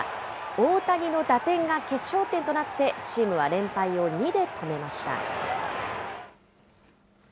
大谷の打点が決勝点となって、チームは連敗を２で止めました。